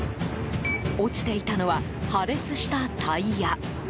落ちていたのは破裂したタイヤ。